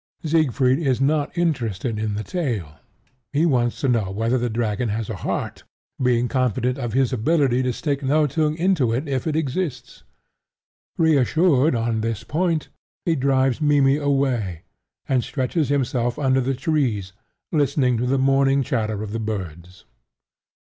Siegfried is not interested in the tail: he wants to know whether the dragon has a heart, being confident of his ability to stick Nothung into it if it exists. Reassured on this point, he drives Mimmy away, and stretches himself under the trees, listening to the morning chatter of the birds.